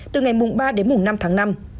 từ ngày ba đến năm tháng năm